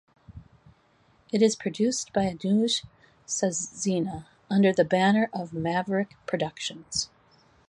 It is produced by Anuj Saxena under the banner of Maverick Productions.